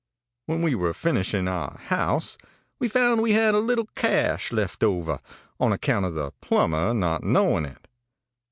When we were finishing our house, we found we had a little cash left over, on account of the plumber not knowing it.